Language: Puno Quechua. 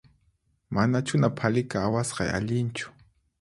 Manachuna phalika awasqay allinchu